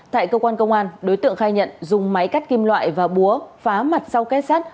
tại cơ quan công an đối tượng khai nhận dùng máy cắt kim loại và búa phá mặt sau kết sắt